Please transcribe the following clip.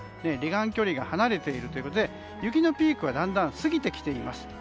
離岸距離が離れているということで雪のピークはだんだん過ぎてきています。